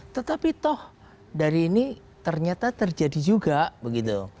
tetapi toh dari ini ternyata terjadi juga begitu